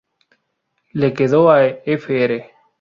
Le quedó a fr.